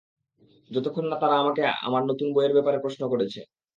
যতক্ষণ না তারা আমাকে আমার নতুন বইয়ের ব্যাপারে প্রশ্ন করেছে!